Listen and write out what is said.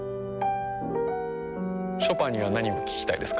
ショパンには何を聞きたいですか？